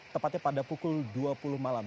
tepatnya pada pukul dua puluh malam